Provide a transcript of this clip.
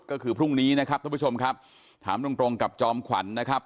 ก็คือพรุ่งนี้นะครับท่านผู้ชมครับถามตรงตรงกับจอมขวัญนะครับ